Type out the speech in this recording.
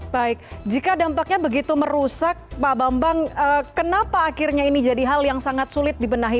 baik jika dampaknya begitu merusak pak bambang kenapa akhirnya ini jadi hal yang sangat sulit dibenahi